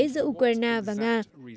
giữa ukraine và nga